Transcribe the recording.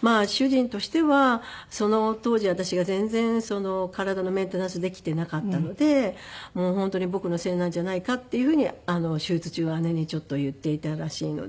まあ主人としてはその当時私が全然体のメンテナンスできていなかったので本当に僕のせいなんじゃないかっていうふうに手術中は姉にちょっと言っていたらしいので。